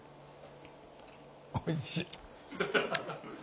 おいしい。